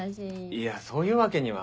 いやそういうわけには。